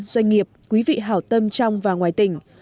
doanh nghiệp quý vị hảo tâm trong và ngoài tỉnh